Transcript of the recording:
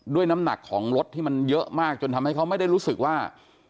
น้ำหนักของรถที่มันเยอะมากจนทำให้เขาไม่ได้รู้สึกว่า